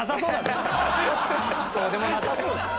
そうでもなさそうだな！